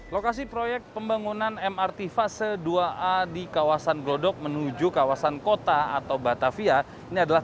lokasi proyek pembangunan mrt fase dua a di kawasan glodok menuju kawasan kota atau batavia ini adalah